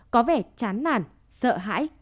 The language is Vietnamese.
có vẻ chán nản sợ hãi